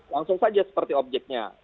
langsung saja seperti objeknya